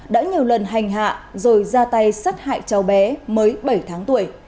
đã nhiều lần hành hạ rồi ra tay sát hại cháu bé mới bảy tháng tuổi